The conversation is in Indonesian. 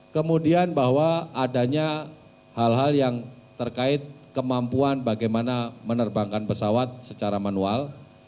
kemudian bahwa adanya hal hal yang terkait kemampuan bagaimana menerbangkan pesawat secara manual